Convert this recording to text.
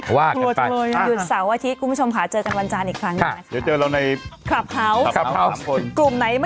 กลัวจังเลยหยุดเสาร์อาทิตย์คุณผู้ชมค่ะเจอกันวันจันทร์อีกครั้งหนึ่งนะคะ